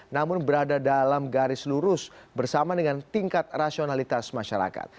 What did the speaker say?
namun berada dalam garis lurus bersama dengan tingkat rasionalitas masyarakat